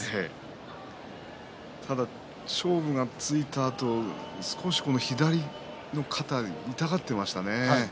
ただ勝負がついたあと少し左の肩、痛がっていましたね。